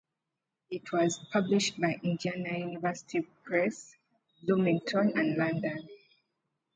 It was published by Indiana University Press (Bloomington and London).